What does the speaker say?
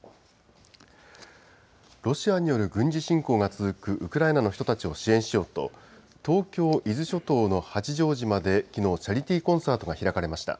ロシアによる軍事侵攻が続くウクライナの人たちを支援しようと、東京・伊豆諸島の八丈島できのう、チャリティーコンサートが開かれました。